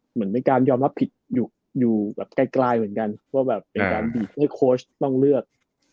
เหมือนเป็นการยอมรับผิดอยู่แบบไกลเหมือนกันว่าแบบเป็นการบีบให้โค้ชต้องเลือก